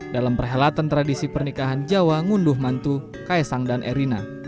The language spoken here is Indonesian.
dalam perhelatan tradisi pernikahan jawa ngunduh mantu kaisang dan erina